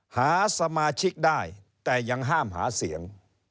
หาสมาชิกได้แต่ยังห้ามหาเสียง